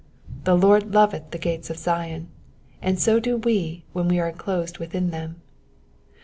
The Lord loveth the gates of Zion, and so do we when we are enclosed within them.